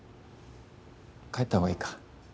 帰ったほうがいいか。